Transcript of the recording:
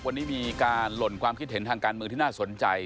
วันนี้มีการหล่นความคิดเห็นทางการเมืองที่น่าสนใจ